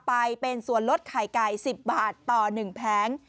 ไปเป็นส่วนลดไข่ไก่๑๐บาทต่อ๑แผง